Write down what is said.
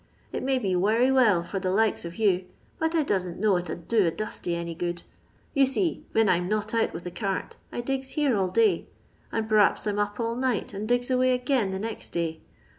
It may be wery well for the likes o* you, but I doesn't know it 'u'd do a dustiu any good. You see, ven I 'ra not out wiih the cart, I digs here all day ; and p'raps I 'm up all night, and digs avay agen the next day.